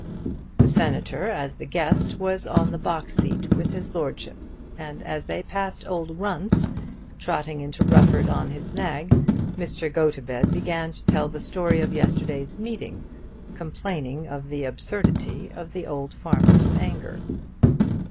The Senator, as the guest, was on the box seat with his Lordship, and as they passed old Runce trotting into Rufford on his nag, Mr. Gotobed began to tell the story of yesterday's meeting, complaining of the absurdity of the old farmer's anger.